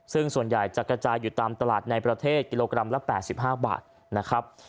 ซึ่งส่วนใหญ่จะกระจายอยู่ตามตลาดในประเทศกิโลกรัมละ๘๕บาทนะครับ